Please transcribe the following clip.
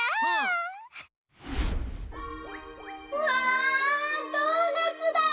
うわドーナツだ！